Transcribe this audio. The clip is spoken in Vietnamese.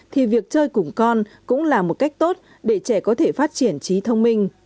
thì việc chơi cùng con cũng là một cách tốt để trẻ có thể phát triển trí thông minh